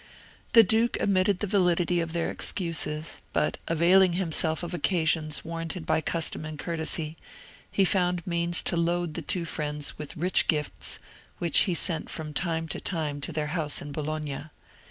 The duke admitted the validity of their excuses, but, availing himself of occasions warranted by custom and courtesy, he found means to load the two friends with rich gifts, which he sent from time to time to their house in Bologna.